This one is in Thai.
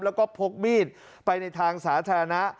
แล้วก็พกมีดไปในทางสาธารณะ